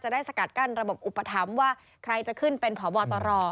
ได้สกัดกั้นระบบอุปถัมภ์ว่าใครจะขึ้นเป็นพบตร